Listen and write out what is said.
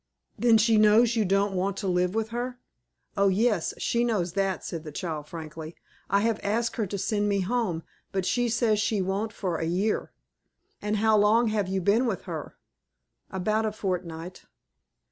"Then she knows you don't want to live with her?" "Oh, yes, she knows that," said the child, frankly. "I have asked her to send me home, but she says she won't for a year." "And how long have you been with her?" "About a fortnight."